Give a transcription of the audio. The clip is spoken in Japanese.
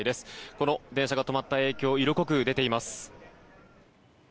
この電車が止まった影響色濃く出ています。